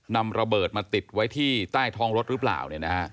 นำระเบิดมาติดไว้ที่ใต้ท้องรถหรือเปล่า